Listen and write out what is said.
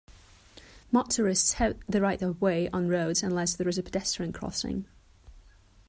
Motorists have the right of way on roads unless there is a pedestrian crossing.